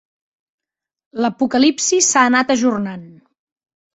L'apocalipsi s'ha anat ajornant.